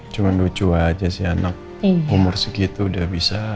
cuma lucu aja sih anak umur segitu udah bisa